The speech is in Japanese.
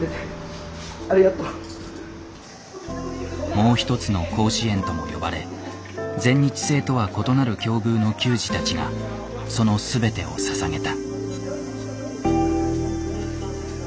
もう一つの甲子園とも呼ばれ全日制とは異なる境遇の球児たちがそのすべてをささげた。